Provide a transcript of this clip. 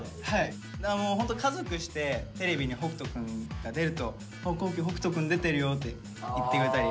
ホント家族してテレビに北斗くんが出ると「光輝北斗くん出てるよ」って言ってくれたり。